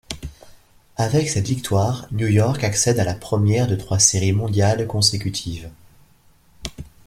Avec cette victoire, New York accède à la première de trois Séries mondiales consécutives.